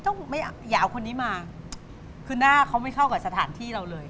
ไม่อย่าเอาคนนี้มาคือหน้าเขาไม่เข้ากับสถานที่เราเลย